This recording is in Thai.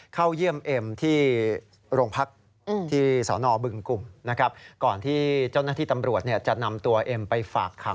เข้าย่มเอ็มที่โรงพักร์